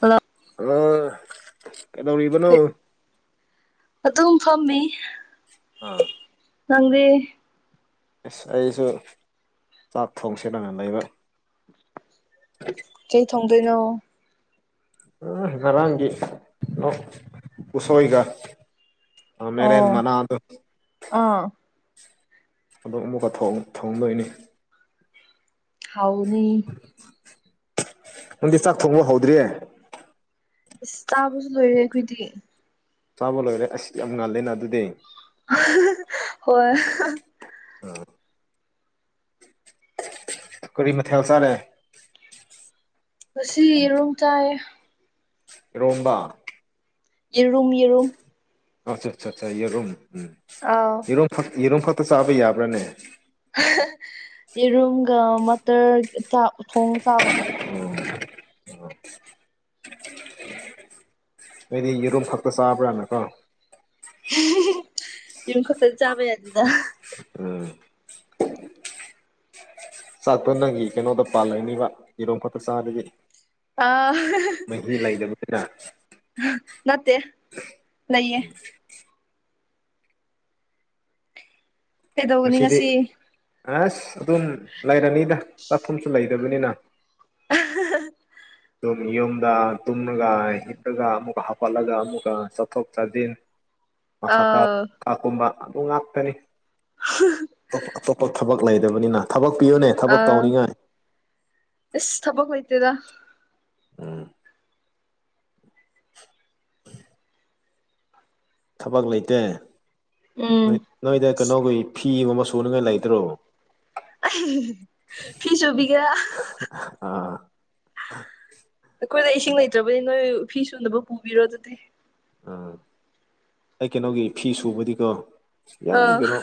hello hello ꯀꯩꯗꯧꯔꯤꯕꯅꯣ ꯑꯗꯨꯝ ꯐꯝꯃꯤ ꯑ ꯅꯪꯗꯤ ꯑꯁ ꯑꯩꯁꯨ ꯆꯥꯛ ꯊꯣꯡꯁꯦꯟꯅꯅ ꯂꯩꯕ ꯀꯩ ꯊꯣꯡꯗꯣꯏꯅꯣ [unintelligible] ꯉꯔꯥꯡꯒꯤ ꯅꯣꯛ ꯎꯁꯣꯏꯒ ꯑ ꯃꯦꯔꯦꯟ ꯑꯣ ꯃꯅꯥꯗꯣ ꯑꯥ ꯑꯗꯨ ꯑꯃꯨꯛꯀ ꯊꯣꯡ ꯊꯣꯡꯗꯣꯏꯅꯤ ꯍꯥꯎꯅꯤ ꯅꯪꯗꯤ ꯆꯥꯛ ꯊꯣꯡꯕ ꯍꯧꯗ꯭ꯔꯤ ꯏꯁ ꯆꯥꯕꯁꯨ ꯂꯣꯏꯔꯦ ꯑꯩꯈꯣꯏꯗꯤ ꯆꯥꯕ ꯂꯣꯏꯔꯦ ꯑꯁ ꯌꯥꯝ ꯉꯜꯂꯦꯅ ꯑꯗꯨꯗꯤ ꯍꯣꯏ ꯑ ꯀꯔꯤ ꯃꯊꯦꯜ ꯆꯥꯔꯦ ꯉꯁꯤ ꯌꯤꯔꯨꯝ ꯆꯥꯏꯌꯦ ꯏꯔꯣꯝꯕ ꯌꯤꯔꯨꯝ ꯌꯤꯔꯨꯝ ꯑꯆꯥ ꯆꯥ ꯆꯥ ꯌꯦꯔꯨꯝ ꯎꯝ ꯑꯥꯎ ꯌꯦꯔꯨꯝ ꯌꯦꯔꯨꯝ ꯈꯛꯇ ꯆꯥꯕ ꯌꯥꯕ꯭ꯔꯥꯅꯦ ꯌꯦꯔꯨꯝꯒ ꯃꯇꯔ ꯆꯥꯛ ꯊꯣꯡꯉ ꯆꯥꯕ ꯑꯩꯗꯤ ꯌꯦꯔꯨꯝ ꯈꯛꯇ ꯆꯥꯕ꯭ꯔꯥꯅꯀꯣ ꯌꯦꯔꯨꯝ ꯈꯛꯇ ꯆꯥꯕ ꯌꯥꯗꯦꯗ ꯎꯝ ꯆꯥꯛꯇꯣ ꯅꯪꯒꯤ ꯀꯩꯅꯣꯗ ꯄꯥꯜꯂꯩꯅꯤꯕ ꯌꯦꯔꯨꯝ ꯈꯛꯇ ꯆꯥꯕꯒꯤ ꯑ ꯂꯩꯗꯕꯅꯤꯅ ꯅꯠꯇꯦ ꯂꯩꯌꯦ [inaudible] ꯀꯩꯗꯧꯕꯅꯤ ꯉꯁꯤꯗꯤ ꯉꯁꯤ ꯑꯁ ꯑꯗꯨꯝ ꯂꯩꯔꯅꯤꯗ ꯆꯥꯛꯈꯨꯝꯁꯨ ꯂꯩꯇꯕꯅꯤꯅ ꯇꯨꯝ ꯌꯨꯝꯗ ꯇꯨꯝꯂꯒ ꯍꯤꯞꯂꯒ ꯑꯃꯨꯛꯀ ꯍꯥꯞꯀꯠꯂꯒ ꯑꯃꯨꯛꯀ ꯆꯠꯊꯣꯛ ꯆꯠꯁꯤꯟ ꯃꯊꯛ ꯀꯥ ꯑꯥ ꯀꯥꯀꯨꯝꯕ ꯑꯗꯨꯝ ꯉꯥꯛꯇꯅꯤ ꯑꯇꯣꯞ ꯑꯇꯣꯞꯄ ꯊꯕꯛ ꯂꯩꯗꯕꯅꯤꯅ ꯊꯕꯛ ꯄꯤꯌꯣꯅꯦ ꯑ ꯏꯁ ꯊꯄꯛ ꯂꯩꯣꯏꯇꯦꯗ ꯑ ꯊꯕꯛ ꯂꯩꯇꯦ ꯎꯝ ꯅꯣꯏꯗ ꯀꯩꯅꯣꯒꯤ ꯐꯤꯒꯕ ꯁꯨꯅꯤꯡꯉꯥꯏ ꯂꯩꯇ꯭ꯔꯣ ꯐꯤ ꯆꯨꯚꯒ ꯑꯥ ꯑꯩꯈꯣꯏꯗ ꯏꯁꯤꯡ ꯂꯩꯇ꯭ꯔꯕꯅꯤ ꯅꯣꯏ ꯐꯤ ꯁꯨꯅꯕ ꯄꯨꯕꯤꯔꯣ ꯑꯗꯨꯗꯤ ꯑꯥ ꯑꯩ ꯀꯩꯅꯣꯒꯤ ꯐꯤ ꯁꯨꯕꯗꯤꯀꯣ ꯌꯥꯝ ꯑꯥ ꯀꯩꯅꯣ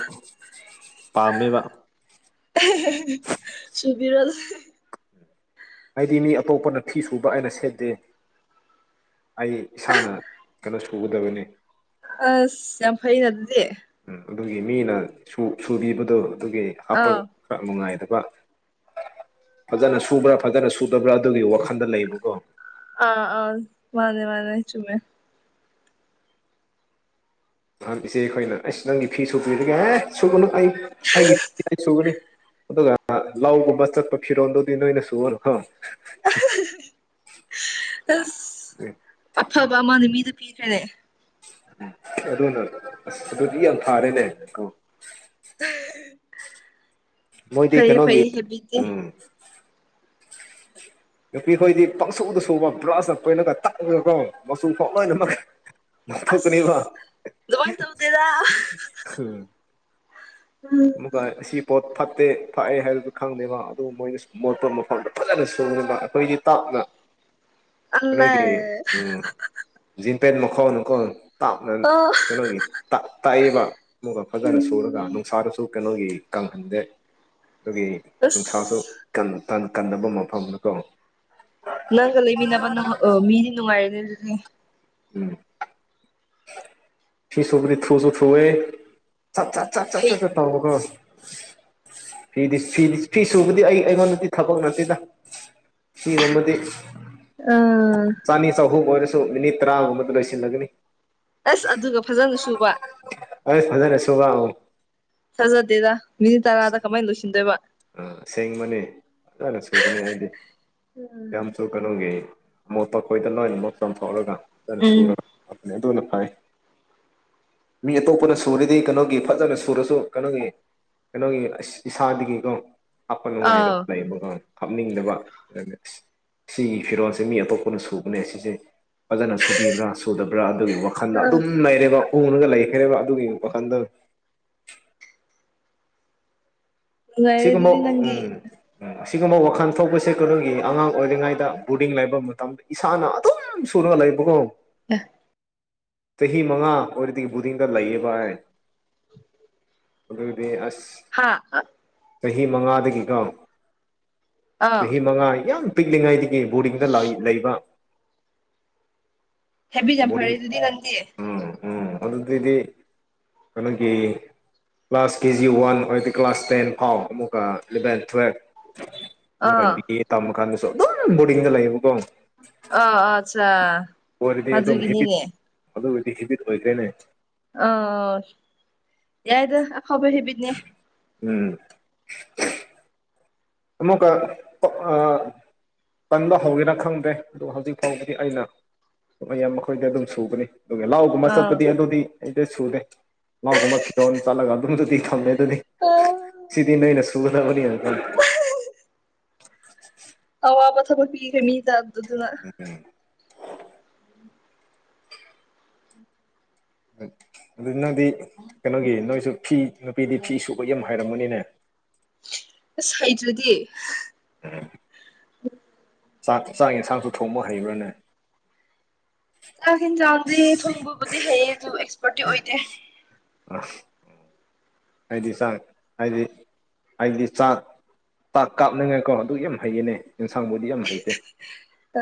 ꯄꯥꯝꯃꯦꯕ ꯁꯨꯕꯤꯔꯣꯖ ꯍꯥꯏꯗꯤ ꯃꯤ ꯑꯇꯣꯞꯄꯅ ꯐꯤ ꯁꯨꯕ ꯍꯥꯏꯅ ꯁꯦꯠꯇꯦ ꯑꯩ ꯏꯁꯥꯅ ꯀꯩꯅꯣꯁꯨ ꯎꯒꯗꯕꯅꯤ ꯑꯁ ꯌꯥꯝ ꯐꯩꯅ ꯑꯗꯨꯗꯤ ꯎꯝ ꯑꯗꯨꯒꯤ ꯃꯤꯅ ꯁꯨꯕꯤꯕꯗꯣ ꯑꯗꯨꯒꯤ ꯍꯥꯄ ꯑꯥ ꯈꯔ ꯅꯨꯡꯉꯥꯏꯇꯕ ꯐꯖꯅ ꯁꯨꯕ꯭ꯔꯥ ꯐꯖꯅ ꯁꯨꯗꯕ꯭ꯔꯥ ꯑꯗꯨꯒꯤ ꯋꯥꯈꯟꯗ ꯂꯩꯕꯨꯀꯣ ꯑꯥ ꯑ ꯋꯥꯅꯦ ꯋꯥꯅꯦ ꯆꯨꯝꯃꯦ ꯏꯆꯦ ꯑꯩꯈꯣꯏꯅ ꯑꯩꯁ ꯅꯪꯒꯤ ꯐꯤ ꯁꯨ ꯄꯤꯔꯒꯦ ꯑꯦ ꯁꯨꯒꯅꯨ ꯑꯩ ꯑꯩꯒꯤ ꯐ ꯑꯩ ꯁꯨꯒꯅꯤ ꯑꯗꯨꯒ ꯂꯒꯨꯝꯕ ꯆꯠꯄ ꯐꯤꯔꯣꯜꯗꯨꯗꯤ ꯅꯣꯏꯅ ꯁꯨ ꯑꯣꯏꯅꯨꯣ ꯑꯁ ꯑꯐꯕ ꯑꯃꯅ ꯃꯤꯗ ꯄꯤꯈ꯭ꯔꯦꯅꯦ ꯎꯝ ꯑꯗꯨꯅ ꯑꯁ ꯑꯗꯨꯗꯤ ꯌꯥꯝ ꯊꯥꯔꯦꯅꯦꯀꯣ ꯎ ꯃꯣꯏꯗꯤ ꯀꯩꯅꯣꯒꯤ ꯍꯦꯕꯤꯠꯇꯤ ꯎꯝ [inaudible] ꯅꯨꯄꯤꯈꯣꯏꯗꯤ ꯄꯪꯁꯨꯗ ꯁꯨꯕ ꯕ꯭ꯔꯁꯇ ꯀꯣꯏꯅꯒ ꯇꯛꯉꯒꯀꯣ ꯃꯆꯨ ꯐꯥꯎ ꯂꯣꯏꯅꯃꯛ [inaudible] ꯊꯣꯛ ꯀꯅꯤꯕ ꯑꯁ ꯑꯗꯨꯃꯥꯏ ꯇꯧꯗꯦꯗ ꯎꯝ ꯎꯝ ꯃ ꯁꯤ ꯄꯣꯠ ꯐꯠꯇꯦ ꯐꯛꯑꯦ ꯍꯥꯏꯕꯗꯨ ꯈꯪꯗꯦꯕ ꯑꯗꯨ ꯃꯣꯏꯅ ꯃꯣꯠꯄꯣ ꯃꯐꯝꯗ ꯐꯖꯅ ꯁꯨꯕ ꯑꯩꯈꯣꯏꯗꯤ ꯇꯥꯞꯅ [inaudible] ꯅ ꯑꯜꯂꯦ ꯅꯣꯏꯒꯤ ꯎ ꯖꯤꯟꯄꯦꯠ ꯃꯈꯥꯎꯅꯨꯀꯣ ꯇꯥꯞꯅ ꯑꯣ ꯀꯩꯅꯣꯒꯤ ꯇꯥꯛꯏꯕ ꯑꯃꯒ ꯐꯖꯅ ꯁꯨꯔꯒ ꯎꯝ ꯑꯁꯥꯗꯁꯨ ꯀꯩꯅꯣꯒꯤ ꯀꯪꯍꯟꯗꯦ ꯑꯗꯨꯒꯤ ꯅꯨꯡꯁꯥꯁꯨ ꯑꯁ ꯀꯟꯅꯕ ꯃꯐꯝꯅꯤꯀꯣ ꯅꯪꯒ ꯂꯩꯃꯤꯅꯕ ꯃꯤꯗꯤ ꯅꯨꯡꯉꯥꯏꯔꯦꯅꯦ ꯎꯝ ꯐꯤ ꯁꯕꯔꯤ ꯊꯨꯁꯨ ꯊꯨꯋꯦꯠ ꯆꯠꯠꯠ ꯆꯠ ꯆꯠ ꯐꯩ ꯊꯣ ꯐꯤꯗꯤ ꯐꯗꯤ ꯐꯤ ꯁꯨꯕꯗꯤ ꯑꯩ ꯑꯩꯉꯣꯟꯗꯗꯤ ꯊꯕꯛ ꯅꯠꯇꯦꯗ ꯁꯤꯒꯨꯝꯕꯗꯤ ꯑꯥ ꯆꯥꯅꯤ ꯆꯍꯨꯝ ꯑꯣꯏꯔꯁꯨ ꯃꯤꯅꯤꯠ ꯇꯔꯥꯒꯨꯝꯕꯗ ꯂꯣꯏꯁꯤꯜꯂꯒꯅꯤ ꯑꯁ ꯑꯗꯨꯒ ꯐꯖꯅ ꯁꯨꯕ ꯑꯁ ꯐꯖ ꯔꯦꯁꯨꯣꯕ ꯐꯥꯖꯗꯦꯗ ꯃꯤꯅꯤꯠ ꯇꯔꯥꯗ ꯀꯃꯥꯏꯅ ꯂꯣꯏꯁꯤꯟꯗꯣꯏꯕ ꯑ ꯁꯦꯡꯕꯅꯤ ꯑꯗꯨꯃꯥꯏꯅ ꯁꯨꯕꯅꯦ ꯍꯥꯏꯗꯤ ꯌꯥꯝ ꯁꯨ ꯀꯩꯅꯣꯒꯤ ꯑꯃꯣꯠꯄ ꯑꯩꯈꯣꯏꯗ ꯂꯣꯏꯅ ꯑꯃꯨꯛ ꯆꯥꯝꯊꯣꯛꯔꯒ ꯐꯖꯅ ꯎꯝ ꯁꯨꯔ ꯍꯥꯞꯄꯅꯤ ꯑꯗꯨꯅ ꯐꯩ ꯃꯤ ꯑꯇꯣꯞꯄꯅ ꯁꯨꯔꯤꯗꯤ ꯀꯩꯅꯣꯒꯤ ꯐꯖꯅ ꯁꯨꯔꯁꯨ ꯀꯩꯅꯣꯒꯤ ꯀꯩꯅꯣꯒꯤ ꯏꯁꯥꯗꯒꯤꯀꯣ ꯍꯥꯞꯄ ꯉꯝꯉꯥꯏꯗ ꯑꯥꯎ ꯂꯩꯕꯀꯣ ꯍꯥꯞꯅꯤꯡꯗꯕꯁ ꯁꯤꯒꯤ ꯐꯤꯔꯣꯜꯁꯦ ꯃꯤ ꯑꯇꯣꯞꯄꯅ ꯁꯨꯕꯅꯦ ꯁꯤꯁꯦ ꯐꯖꯅ ꯁꯨꯕꯤꯕ꯭ꯔꯥ ꯁꯨꯗꯕ꯭ꯔꯥ ꯑꯗꯨꯒꯤ ꯋꯥꯈꯜꯗ ꯑꯥ ꯑꯗꯨꯝ ꯂꯩꯔꯦꯕ ꯎꯅꯒ ꯂꯩꯈ꯭ꯔꯦꯕ ꯑꯗꯨꯒꯤ ꯋꯥꯈꯜꯗ ꯅꯨꯡꯉꯥꯏꯔꯦ ꯁꯤꯒꯨꯝꯕ ꯑꯗꯨꯗꯤ ꯅꯪꯒꯤ ꯎꯝ ꯑꯁꯤꯒꯨꯝꯕ ꯋꯥꯈꯜ ꯊꯣꯛꯄꯁꯦ ꯀꯩꯅꯣꯒꯤ ꯑꯉꯥꯡ ꯑꯣꯏꯔꯤꯉꯩꯗ ꯕꯣꯔꯗꯤꯡ ꯂꯩꯕ ꯃꯇꯝꯗ ꯏꯁꯥꯅ ꯗꯨꯝ ꯁꯨꯔꯒ ꯂꯩꯕ ꯀꯣ ꯑꯦ ꯆꯍꯤ ꯃꯉꯥ ꯑꯣꯏꯔꯗꯤ ꯕꯨꯗꯤꯡꯗ ꯂꯩꯌꯦꯕꯥꯏ ꯑꯗꯨꯗꯤ ꯑꯁ ꯍꯥ ꯆꯍꯤ ꯃꯉꯥꯗꯒꯤꯀꯣ ꯑꯥ ꯆꯍꯤ ꯃꯉꯥ ꯌꯥꯝ ꯄꯤꯛꯂꯤꯉꯩꯗꯒꯤ ꯕꯣꯔꯗꯤꯡꯗ ꯂꯩꯕ ꯍꯦꯕꯤꯠ ꯌꯥꯝ ꯐꯔꯦ ꯎꯝ ꯑꯗꯨꯗꯤ ꯅꯪꯗꯤ ꯎꯝ ꯑꯗꯨꯗꯤꯗꯤ ꯀꯩꯅꯣꯒꯤ ꯀ꯭ꯂꯥꯁ ꯀꯦ ꯖꯤ ꯋꯥꯟ ꯑꯣꯏꯔꯗꯤ ꯀ꯭ꯂꯥꯁ ꯇꯦꯟ ꯍꯥꯎ ꯑꯃꯨꯛꯀ ꯏꯂꯚꯦꯟ ꯇꯨꯋꯦꯜꯐ ꯑꯃꯨꯛꯀ ꯑꯥ ꯕꯤ ꯑꯦꯠ ꯇꯝꯃ ꯀꯥꯟꯗꯁꯨ ꯑꯗꯨ ꯕꯣꯔꯗꯤꯡꯒ ꯂꯩꯌꯦꯕꯀꯣ ꯑꯥ ꯑꯠꯆꯥ ꯑꯣꯏꯔꯗꯤ ꯑꯗꯨꯝ ꯍꯤꯕꯤꯠ ꯑꯗꯨꯒꯤꯅꯤꯅꯦ ꯑꯗꯨ ꯑꯣꯏꯔꯗꯤ ꯍꯤꯕꯤꯠ ꯑꯣꯏꯗꯣꯏꯅꯦ ꯑ ꯌꯥꯏꯗ ꯍꯕ ꯍꯦꯕꯤꯗꯅꯦ ꯎꯝ ꯑꯃꯃꯨꯀ ꯀꯟꯕ ꯍꯧꯒꯦꯔ ꯈꯪꯗ꯭ꯔꯦ ꯑꯗꯨ ꯍꯧꯖꯤꯛ ꯐꯥꯎꯕꯗꯤ ꯑꯩꯅ ꯃꯌꯥꯝ ꯃꯈꯣꯏꯗ ꯑꯗꯨꯝ ꯁꯨꯒꯅꯤ ꯑꯗꯨꯒ ꯂꯥꯎꯒꯨꯝꯕ ꯑꯥ ꯆꯠꯄꯗꯤ ꯑꯗꯨꯗꯤ ꯑꯩꯗꯤ ꯁꯨꯗꯦ ꯂꯥꯎꯒꯨꯝꯕ ꯐꯤꯔꯣꯜ ꯆꯠꯂꯒ ꯑꯗꯨꯝꯗꯨꯗꯤ ꯊꯝꯃꯦ ꯑꯗꯨ ꯁꯤꯗꯤ ꯅꯣꯏꯅ ꯁꯨꯒꯗꯕꯅꯤ ꯑꯋꯥꯕ ꯊꯕꯛ ꯄꯤꯒꯅꯤꯗ ꯑꯗꯨꯗꯨꯅ [unintelligible] ꯑꯗꯨ ꯅꯪꯗꯤ ꯀꯩꯅꯣꯒꯤ ꯅꯣꯏꯁꯨ ꯐꯤ ꯅꯨꯄꯤꯗꯤ ꯐꯤ ꯁꯨꯕ ꯌꯥꯝ ꯍꯥꯏꯔꯝꯃꯅꯤꯅꯦ ꯑꯁ ꯍꯩꯗ꯭ꯔꯗꯤ [unintelligible] ꯆꯥꯛ ꯆꯥꯛ ꯌꯦꯟꯁꯥꯡꯁꯨ ꯊꯣꯡꯕ ꯍꯩꯕ꯭ꯔꯥꯅꯦ ꯆꯥꯛ ꯌꯦꯤꯟ ꯆꯥꯡꯗꯤ ꯊꯣꯡꯕꯕꯨꯗꯤ ꯍꯩꯌꯦ ꯑꯗꯨ ꯑꯦꯛꯁꯄꯔꯠꯇꯤ ꯑꯣꯏꯗꯦ ꯑꯩꯗꯤ ꯆ ꯍꯥꯏꯗꯤ ꯍꯥꯏꯗꯤ ꯆꯥꯛ ꯇꯥꯛ ꯀꯥꯞꯅꯤꯡꯉꯥꯏꯀꯣ ꯑꯗꯨ ꯌꯥꯝ ꯍꯩꯌꯦꯅꯦ ꯌꯦꯟꯁꯥꯡꯕꯨꯗꯤ ꯌꯥꯝ ꯍꯩꯇꯦ ꯑ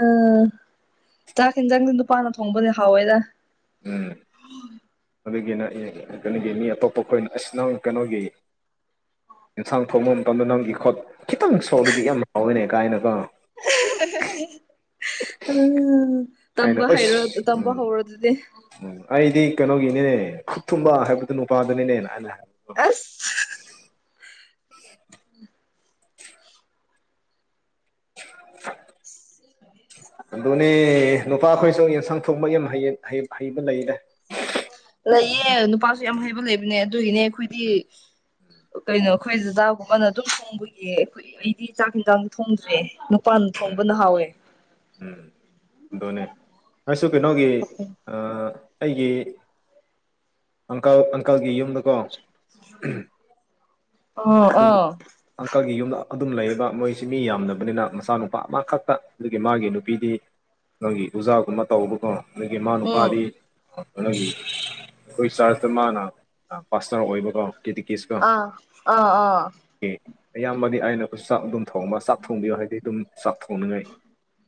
ꯆꯥꯛ ꯈꯤꯟꯖꯥꯡꯗꯤ ꯅꯨꯄꯥꯥꯟꯅ ꯊꯣꯡꯕꯅꯦ ꯍꯥꯎꯋꯦꯗ ꯎꯝ ꯑꯗꯨꯒꯤꯅ ꯀꯩꯅꯣꯒꯤ ꯃꯤ ꯑꯇꯣꯞꯄ ꯑꯩꯈꯣꯏꯅ ꯑꯁꯤꯁ ꯅꯪ ꯀꯩꯅꯣꯒꯤ ꯏꯟꯁꯥꯡ ꯊꯣꯡꯕ ꯃꯇꯝꯗ ꯅꯪ ꯏꯈꯣꯠ ꯈꯤꯇꯪ ꯁꯣꯂꯗꯤ ꯌꯥꯝ ꯍꯥꯎꯋꯦꯅꯦ ꯀꯥꯏꯅꯒ ꯎꯝ [unintelligible] ꯑꯩꯅ ꯇꯨꯝꯕ ꯍꯩꯔ ꯑꯁ ꯇꯝꯕ ꯎꯝ ꯍꯧꯔꯣ ꯑꯗꯨꯗꯤ ꯎꯝ ꯑꯩꯗꯤ ꯀꯩꯅꯣꯒꯤꯅꯦ ꯈꯨꯠ ꯊꯨꯝꯕꯥ ꯍꯥꯏꯕꯗꯨ ꯅꯨꯄꯥꯗꯨꯅꯤꯅꯦꯅ ꯑꯩꯅ ꯍꯥꯏ ꯑꯁ [unintelligible] [unintelligible] [unintelligible] ꯑꯗꯨꯅꯦ ꯅꯨꯄꯥꯈꯣꯏꯁꯨ ꯌꯦꯟꯁꯥꯡ ꯊꯣꯡꯕ ꯌꯥꯝ ꯍꯩꯕ ꯂꯩꯔꯦ ꯎ ꯂꯩꯌꯦ ꯅꯨꯄꯥꯁꯨ ꯌꯥꯝ ꯍꯩꯕ ꯂꯩꯕꯅꯦ ꯑꯗꯨꯒꯤꯅꯦ ꯑꯩꯈꯣꯏꯗꯤ ꯀꯩꯅꯣ ꯑꯩꯈꯣꯏ ꯖꯗꯥꯒꯨꯝꯕꯅ ꯑꯗꯨꯝ ꯊꯣꯡꯕꯒꯤ ꯑꯩꯈꯣꯏ ꯑꯩꯗꯤ ꯆꯥꯛ ꯌꯦꯟꯖꯥꯡ ꯊꯣꯡꯗ꯭ꯔꯦ ꯄꯟ ꯎꯝ ꯊꯣꯡꯕꯅ ꯍꯥꯎꯋꯦ ꯎꯝ ꯎꯝ ꯑꯗꯨꯅꯦ ꯑꯩꯁꯨ ꯀꯩꯅꯣꯒꯤ ꯑꯩꯒꯤ ꯑꯪꯀꯜ ꯑꯪꯀꯜꯒꯤ ꯌꯨꯝꯗꯀꯣ ꯑꯣ ꯑꯗꯨꯝ ꯑꯣ ꯑꯪꯀꯜꯒꯤ ꯌꯨꯝꯗ ꯑꯗꯨꯝ ꯂꯩꯌꯦꯕ ꯃꯣꯏꯁꯤ ꯃꯤ ꯌꯥꯝꯅꯕꯅꯤꯅ ꯃꯆꯥꯅꯨ ꯅꯨꯄꯥ ꯑꯃꯈꯛꯇ ꯑꯗꯨꯒꯤ ꯃꯥꯒꯤ ꯅꯨꯄꯤꯗꯤ ꯅꯣꯏꯒꯤ ꯎꯖꯥꯒꯨꯝꯕ ꯇꯧꯕ ꯀꯣ ꯑꯗꯒꯤ ꯏꯃꯥ ꯎꯝ ꯅꯨꯨꯄꯥꯗꯤ ꯅꯪꯒꯤ ꯑꯩꯈꯣꯏ ꯆꯥꯔꯖꯇ ꯃꯥꯅ ꯄꯥꯁ ꯇꯧꯔꯛꯑꯣꯏꯕꯀꯣ ꯦꯁꯀ ꯑꯥ ꯑꯥ ꯑꯥ ꯑꯌꯥꯝꯕꯗꯤ ꯑꯥꯏꯅ ꯆꯥꯛ ꯑꯗꯨꯝ ꯊꯣꯡꯕ ꯆꯥꯛ ꯊꯣꯡꯕꯤꯌꯣ ꯍꯥꯏꯗꯤ ꯑꯗꯨꯝ ꯆꯥꯛ ꯊꯣꯡꯅꯤꯡꯉꯥꯏ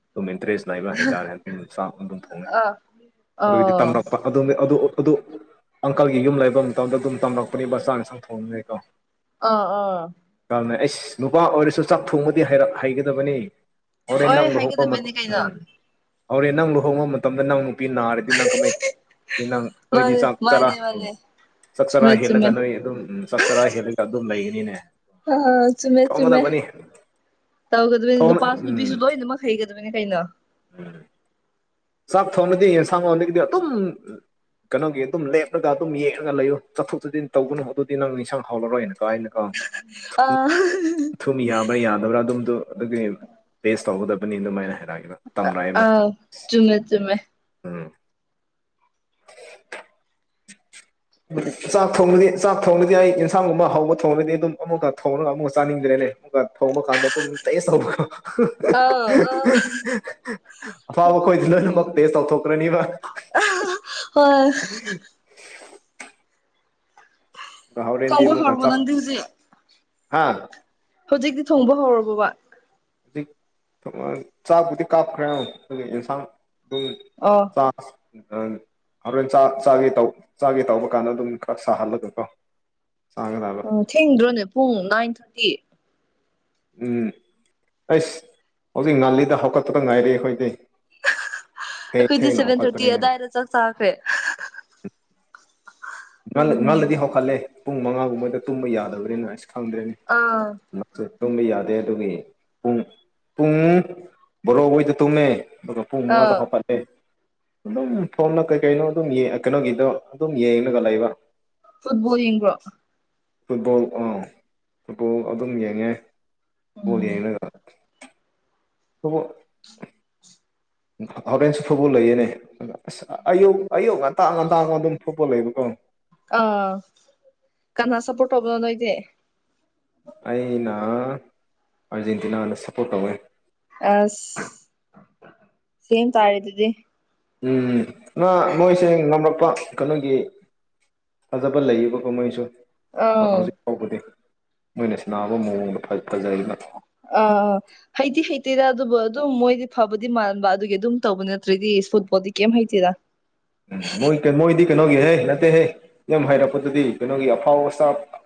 ꯑꯗꯨꯝ ꯏꯟꯇꯔꯦꯁ ꯅꯥꯏꯕ ꯍꯥꯏꯇꯥꯔꯦ ꯑꯗꯨ ꯆꯥꯛ ꯑꯗꯨꯝ ꯊꯣꯡꯅꯩ ꯑ ꯑꯗꯨ ꯑꯪꯀꯜꯒꯤ ꯌꯨꯝ ꯂꯩꯕ ꯃꯇꯝꯗ ꯑꯗꯨꯝ ꯇꯝꯂꯛꯄꯅꯤ ꯃꯆꯥꯅ ꯁꯪ ꯊꯣꯡꯉꯦꯀꯣ ꯑꯥ ꯑꯥ ꯀꯅ ꯑꯩꯁ ꯅꯨꯄꯥ ꯑꯣꯏꯔꯁꯨ ꯆꯥꯛ ꯊꯣꯡꯕꯗꯤ ꯍꯩꯒꯗꯕꯅꯤ ꯍꯣꯔꯦꯟ ꯅꯪ ꯍꯣꯏ ꯂꯨꯍꯣꯡꯕ ꯃꯇꯝ ꯍꯥꯏꯒꯗꯕꯅꯤ ꯀꯩꯅꯣ ꯎꯝ ꯍꯣꯔꯦꯟ ꯅꯪ ꯂꯨꯍꯣꯡꯕ ꯃꯇꯝꯗ ꯅꯪ ꯅꯨꯄꯤ ꯅꯥꯔ ꯇꯅ ꯀ ꯃꯩꯪ ꯃꯥꯅꯦ ꯅꯣꯏꯗꯤꯁ ꯇꯔꯥ ꯃꯥꯅꯦ ꯎ ꯃꯥꯅꯦ [unintelligible] ꯆꯥꯛ ꯆꯔꯥ ꯆꯨꯝꯃꯦ ꯍꯦꯜꯂꯒ ꯆꯨꯝꯃꯦ ꯅꯣꯏ ꯑꯗꯨꯝ ꯆꯥꯛ ꯆꯔꯥ ꯍꯦꯜꯂꯒ ꯑꯗꯨꯝ ꯂꯩꯒꯅꯤꯅꯦ ꯑ [unintelligible] ꯊꯣꯡꯒꯗꯕꯅꯤ ꯇꯧꯒꯗꯕꯅꯤ ꯊꯣꯡ ꯅꯨꯄꯥꯁꯨ ꯅꯨꯄꯤꯁꯨ ꯎꯝ ꯂꯣꯏꯅꯃꯛ ꯍꯩꯒꯗꯕꯅꯤ ꯀꯩꯅꯣ ꯆꯥꯛ ꯊꯣꯡꯅꯗꯤ ꯌꯦꯟꯁꯥꯡ ꯂꯣꯟꯗꯒꯤꯗꯤ ꯑꯗꯨꯝ ꯀꯩꯅꯣꯒꯤ ꯑꯗꯨꯝ ꯂꯦꯞꯂꯒ ꯑꯗꯨꯝ ꯌꯦꯛꯉꯒ ꯂꯩꯔꯨ ꯆꯠꯊꯣꯛ ꯆꯠꯁꯤꯟ ꯇꯧꯒꯅꯨ ꯑꯗꯨꯗꯤ ꯅꯪ ꯏꯟꯁꯥꯡ ꯍꯥꯎꯔꯔꯣꯏꯅ ꯀꯥꯏꯅ ꯀꯣ ꯑ ꯁꯨꯝ ꯌꯥꯕ꯭ꯔꯥ ꯌꯥꯗꯕ꯭ꯔꯥ ꯑꯗꯨꯝꯗꯣ ꯑꯗꯨꯒꯤ ꯄꯦꯁ ꯇꯧꯒꯗꯕꯅꯤ ꯑꯗꯨꯃꯥꯏꯅ ꯍꯥꯏꯔꯛꯑꯒꯦꯗ ꯑꯥꯎ ꯆꯨꯝꯃꯦ ꯆꯨꯝꯃꯦ [inaudible] ꯎꯝ ꯆꯥꯛ ꯊꯣꯡꯗꯤ ꯆꯥꯛ ꯊꯣꯡꯅꯗꯤ ꯑꯩ ꯌꯦꯟꯁꯥꯡꯒꯨꯝꯕ ꯍꯧꯕ ꯊꯣꯡꯅꯗꯤ ꯑꯗꯨꯝ ꯑꯃꯨꯛꯀ ꯊꯣꯡꯔꯒ ꯑꯃꯨꯛꯀ ꯆꯥꯅꯤꯡꯗ꯭ꯔꯦꯅꯦ ꯊꯣꯡꯕ ꯀꯥꯟꯗ ꯑꯗꯨꯝ ꯇꯩꯁ ꯇ ꯑꯥꯎ ꯑꯥ ꯑꯐꯥꯕ ꯈꯣꯏꯗꯤ ꯂꯣꯏꯅꯃꯛ ꯇꯦꯁ ꯇꯧꯊꯣꯛꯈ꯭ꯔꯅꯤꯕ ꯍꯣꯏ ꯎ [inaudible] ꯥꯎꯔꯗꯤ ꯊꯣꯡꯕ ꯃꯒꯥ ꯍꯧꯔꯕꯣ ꯆ ꯅꯪꯗꯤ ꯍꯧꯖꯤꯛ ꯍꯥꯥ [unintelligible] ꯍꯧꯖꯤꯛꯇꯤ ꯊꯣꯡꯕ ꯍꯧꯔꯕꯣꯕ ꯍꯧꯖꯤꯛ ꯊ ꯆꯥꯕꯨꯗꯤ ꯀꯥꯞꯈ꯭ꯔꯦ ꯌꯦꯟꯁꯥꯡ ꯑꯗꯨꯝ [unintelligible] ꯑꯣ ꯑ [unintelligible] ꯍꯣꯔꯦꯟ ꯆ ꯆꯥꯒꯦ ꯆꯥꯒꯦ ꯇꯧꯕ ꯀꯥꯟꯗ ꯑꯗꯨꯝ ꯈꯔ ꯁꯥꯍꯜꯂꯒꯀꯣ ꯆꯥꯒ ꯑꯣ ꯊꯦꯡꯗ꯭ꯔꯣꯅꯦ ꯄꯨꯡ ꯅꯥꯏꯟ ꯊꯥꯔꯇꯤ ꯎꯝ ꯑꯩꯁ ꯍꯧꯖꯤꯛ ꯅꯥꯜꯂꯤꯗ ꯍꯧꯀꯠꯄꯗ ꯉꯥꯏꯔꯤ ꯑꯩꯈꯣꯏꯗꯤ ꯊꯦꯡ ꯑꯩꯈꯣꯏꯗꯤ ꯊꯦꯡꯅ ꯁꯚꯦꯟ ꯊꯥꯔꯇꯤ ꯑ ꯍꯧꯒꯠꯄꯅꯤꯅꯦ ꯑꯗꯨꯗꯥꯏꯗ ꯆꯥꯛ ꯆꯥꯈ꯭ꯔꯦ ꯎꯝ ꯏꯥꯗꯗꯤ ꯍꯧꯀꯠꯂꯦ ꯄꯨꯡ ꯃꯉꯥꯒꯨꯝꯕꯣꯏꯗ ꯇꯨꯝꯕ ꯌꯥꯗꯕ꯭ꯔꯦꯅ ꯑꯁ ꯈꯪꯗ꯭ꯔꯦꯅꯤ ꯑꯥ ꯃꯦ ꯇꯨꯝꯕ ꯌꯥꯗꯦ ꯑꯗꯨꯒꯤ ꯄꯨꯡ ꯄꯨꯡ ꯔꯣ ꯍꯣꯏꯗ ꯇꯨꯃꯦ ꯄꯨꯡ ꯑꯥ ꯃꯉꯥꯗ ꯍꯥꯞꯀꯠꯂꯦ ꯑꯗꯨꯝ ꯐꯣꯝꯅ ꯀꯩ ꯀꯩꯅꯣ ꯑꯗꯨꯝ ꯀꯩꯅꯣꯒꯤꯗꯣ ꯑꯗꯨꯝ ꯒ ꯂꯩꯕ ꯐꯨꯠꯕꯣꯜ ꯌꯦꯡ꯭ꯕꯔꯣ ꯐꯨꯠꯕꯣꯜ ꯑꯥ ꯐꯨꯠꯕꯣꯜ ꯑꯗꯨꯝ ꯌꯦꯡꯉꯦ ꯐꯨꯠꯕꯣꯜ ꯎꯝ ꯌꯦꯡꯂꯒ ꯑꯗꯨꯕꯨ ꯍꯣꯔꯦꯟꯁꯨ ꯐꯨꯠꯕꯣꯜ ꯂꯩꯌꯦꯅꯦ ꯑꯁ ꯑꯌꯨꯛ ꯑꯌꯨꯛ ꯉꯟꯇꯥ ꯉꯟꯇꯥꯥꯡꯉ ꯑꯗꯨꯝ ꯐꯨꯠꯕꯣꯜ ꯂꯩꯌꯦꯕꯀꯣ ꯑꯥ ꯀꯅꯥ ꯁꯞꯄꯣꯔꯠ ꯇꯧꯕꯅꯣ ꯅꯣꯏꯗꯤ ꯑꯩꯅ ꯑꯥꯔꯖꯦꯟꯇꯤꯅꯥ ꯁꯞꯄꯣꯔꯠ ꯇꯧꯋꯦ ꯑꯁ ꯁꯦꯝ ꯇꯥꯔꯦ ꯑꯗꯨꯗꯤ ꯎꯝ ꯅ ꯃꯣꯏꯁꯦ ꯉꯝꯂꯛꯄ ꯀꯩꯅꯣꯒꯤ ꯐꯖꯕ ꯂꯩꯌꯦꯕ ꯀꯣꯍꯣꯏꯁꯨ ꯑꯥ ꯍꯧꯖꯤꯛ ꯐꯥꯎꯕꯗꯤ ꯃꯣꯏꯅ ꯁꯤꯟꯅꯕ ꯃꯑꯣꯡꯗ ꯐꯖꯔꯤ [unintelligible] ꯑ ꯑ ꯍꯩꯗꯤ ꯍꯩꯇꯦꯔꯥ ꯑꯗꯨꯕꯨ ꯑꯗꯨꯝ ꯃꯣꯏꯗꯤ ꯐꯕꯗꯤ ꯃꯥꯟꯕ ꯑꯗꯨꯒꯤ ꯑꯗꯨꯝ ꯇꯧꯕ ꯅꯠꯇ꯭ꯔꯗꯤ ꯐꯨꯠꯕꯣꯜꯗꯤ ꯀꯩꯝ ꯍꯩꯇꯦꯔꯥ [inaudible] ꯎ ꯃꯣꯏ ꯃꯣꯏꯗꯤ ꯀꯩꯅꯣꯒꯤꯍꯦ ꯅꯠꯇꯦꯍꯦ ꯌꯥꯝ ꯍꯥꯏꯔꯛꯄꯗꯗꯤ ꯀꯩꯅꯣꯒꯤ ꯑꯐꯥꯎ ꯑꯁꯇꯥꯞ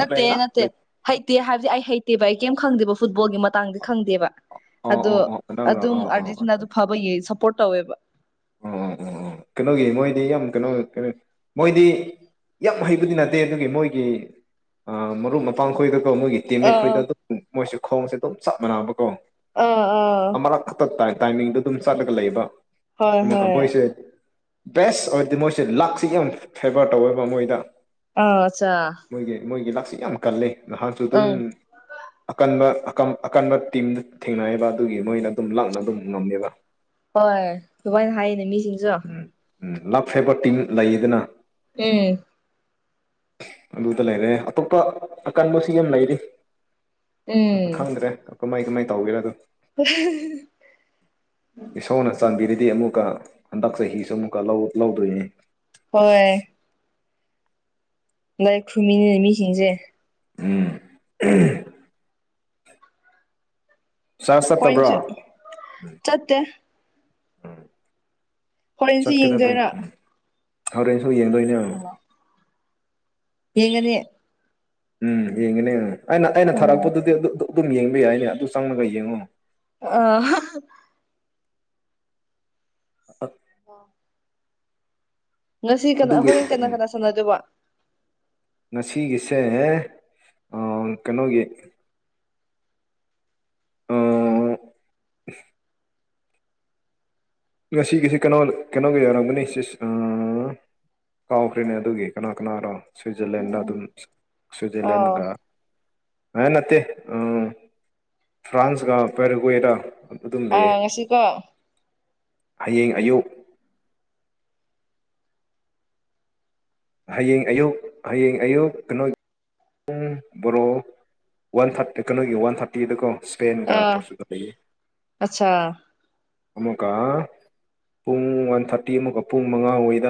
ꯅꯠꯇꯦ ꯅꯠꯇꯦ ꯍꯩꯇꯦ ꯍꯥꯏꯕꯗꯤ ꯑꯩ ꯍꯩꯇꯦꯕ ꯑꯩ ꯀꯩꯝ ꯈꯪꯗꯦꯕ ꯐꯨꯠꯕꯣꯜꯒꯤ ꯃꯇꯥꯡꯗꯤ ꯈꯪꯗꯦꯕ ꯑꯣ ꯑꯗꯣ ꯑꯣ ꯑꯣ ꯅꯪꯅ ꯑꯗꯨꯝ ꯑꯣ ꯑꯣ ꯑꯥꯔꯖꯤꯇꯤꯅꯥ ꯑꯗꯨ ꯐꯕ ꯁꯞꯄꯣꯔꯠ ꯇꯧꯋꯦꯕ [inaudible] ꯑꯣ ꯀꯩꯅꯣꯒꯤ ꯃꯣꯏꯗꯤ ꯌꯥꯝ ꯀꯩꯅꯣ ꯀꯩꯅꯣ ꯃꯣꯏꯗꯤ ꯌꯥꯝ ꯍꯩꯕꯗꯤ ꯅꯠꯇꯦ ꯑꯗꯨꯒꯤ ꯃꯣꯏꯒꯤ ꯃꯔꯨꯞ ꯃꯄꯥꯡ ꯈꯣꯏꯗꯀꯧꯣ ꯃꯣꯏꯒꯤ ꯑꯥ ꯑꯥ ꯇꯤꯃꯤꯠꯈꯣꯏꯗ ꯑꯗꯨꯝ ꯃꯣꯏꯁꯨꯦ ꯈꯣꯡꯁꯦ ꯑꯗꯨꯝ ꯆꯞ ꯃꯥꯟꯅꯕ ꯈꯣꯡ ꯑ ꯑꯥ ꯑꯃꯔꯛ ꯈꯛꯇ ꯇꯥꯏ ꯇꯥꯏꯃꯤꯡꯗꯣ ꯑꯗꯨꯝ ꯆꯠꯂꯒ ꯂꯩꯕ ꯍꯣꯏ ꯑꯃꯨꯛꯀ ꯍꯣꯏ ꯃꯣꯏꯁꯦ ꯕꯦꯁ ꯑꯣꯏꯔꯗꯤ ꯃꯣꯏꯁꯦ ꯂꯥꯛꯁꯤ ꯌꯥꯝ ꯐꯦꯕꯔ ꯇꯧꯋꯦꯕ ꯃꯣꯏꯗ ꯑ ꯑꯆꯥꯆꯥ ꯃꯣꯏꯒꯤ ꯃꯣꯏꯒꯤ ꯂꯥꯛꯁꯤ ꯌꯥꯝ ꯀꯜꯂꯤ ꯅꯍꯥꯟꯁꯨ ꯑꯗꯨꯝ ꯎꯝ ꯑꯀꯟꯕ ꯑ ꯑꯀꯟꯕ ꯇꯤꯝꯗ ꯊꯦꯡꯅꯩꯌꯦꯕ ꯑꯗꯨꯒꯤ ꯃꯣꯏꯅ ꯑꯗꯨꯝ ꯂꯥꯛꯅ ꯑꯗꯨꯝ ꯉꯝꯃꯦꯕ ꯍꯣꯏ ꯊꯋꯣꯏꯅ ꯍꯥꯏꯌꯦꯅꯦ ꯃꯤꯁꯤꯡꯁꯨ ꯎꯝ ꯎꯝ ꯂꯞ ꯐꯦꯕ ꯇꯤꯝ ꯂꯩꯗꯅ ꯍꯦ ꯑꯗꯨꯗ ꯂꯩꯔꯦ ꯑꯇꯣꯞꯄ ꯑꯀꯟꯕ ꯁꯤ ꯌꯥꯝ ꯂꯩꯔꯤ ꯎꯝ ꯈꯪꯗ꯭ꯔꯦ ꯀꯃꯥꯏ ꯀꯃꯥꯏ ꯇꯧꯒꯦꯔ ꯑꯗꯨꯣ ꯍ ꯏꯁꯣꯔꯅ ꯆꯥꯟꯕꯤꯔꯗꯤ ꯑꯃꯨꯛꯀ ꯍꯟꯗꯛ ꯆꯍꯤꯁꯨ ꯑꯃꯨꯛꯀ ꯂꯧꯗꯣꯏꯅꯤ ꯍꯣꯏ ꯂꯥꯏ ꯈꯨ꯭ꯔꯨꯝꯃꯤꯅꯤꯅꯦ ꯃꯤꯁꯤꯡꯁꯦ ꯎꯝ ꯆꯥꯔꯖ ꯆꯠꯇꯕ꯭ꯔꯣ ꯍꯣꯏꯁꯨ ꯆꯠꯇꯦ ꯍꯣꯔꯦꯟꯁ ꯌꯦꯡꯖꯣꯏꯔꯥ ꯍꯣꯔꯦꯟ ꯁꯨ ꯌꯦꯡꯗꯣꯏꯅꯦ ꯌꯦꯡꯉꯗꯤ ꯎꯝ ꯌꯦꯡꯒꯅꯤ ꯎꯝ ꯑꯩꯅ ꯑꯩꯅ ꯑꯣ ꯊꯥꯔꯛꯄꯗꯨꯗꯤ ꯑꯗꯨ ꯑꯗꯨꯝ ꯌꯦꯡꯕ ꯌꯥꯏꯅꯦ ꯑꯗꯨ ꯆꯪꯂꯒ ꯌꯦꯡꯉꯨ ꯑꯍꯍ ꯑ [inaudible] ꯉꯁꯤ ꯀꯅꯥ ꯑꯗꯨꯒꯤ ꯍꯣꯔꯦꯟ ꯀꯅꯥ ꯎꯝ ꯀꯅꯥ ꯁꯥꯟꯅꯗꯣꯏꯕ ꯉꯁꯤꯒꯤꯁꯦ ꯀꯩꯅꯣꯒꯤ ꯑ ꯉꯁꯤꯒꯤꯁꯤꯦ ꯀꯩꯅꯣ ꯀꯩꯅꯣꯒ ꯌꯥꯎꯔꯝꯒꯅꯤ ꯁꯤ ꯀꯥꯎꯈ꯭ꯔꯦꯅꯦ ꯑꯗꯨꯒꯤ ꯀꯅꯥ ꯀꯅꯥꯔꯣ ꯁ꯭ꯋꯤꯖꯔꯂꯦꯟꯗ ꯑꯗꯨꯝ ꯑꯥ ꯁ꯭ꯋꯤꯖꯔꯂꯦꯟꯒ ꯍꯥꯏ ꯅꯠꯇꯇꯩ ꯑ ꯐ꯭ꯔꯥꯟꯁꯒ ꯄꯦꯔꯒꯔ ꯑꯥ ꯉꯁꯤꯀꯣ ꯍꯌꯦꯡ ꯑꯌꯨꯛ ꯍꯌꯦꯡ ꯑꯌꯨꯛ ꯍꯌꯦꯡ ꯑꯌꯨꯛ ꯀꯩꯅꯣ ꯄꯨꯡ ꯕꯣꯔꯣ ꯋꯥꯟ ꯊꯥꯔꯠ ꯑꯦꯀꯅꯣꯒꯤ ꯋꯥꯟ ꯊꯥꯔꯠ ꯇꯤꯗꯀꯣ ꯁꯄꯦꯟꯒ ꯑꯥ ꯄꯣꯔꯆꯨꯒꯜꯗꯒꯤ ꯑꯠꯆꯥ ꯑꯃꯨꯛꯀ ꯄꯨꯡ ꯋꯥꯟ ꯊꯥꯔꯇꯤ ꯑꯃꯨꯛꯀ ꯄꯨꯡ ꯃꯉꯥ ꯍꯗ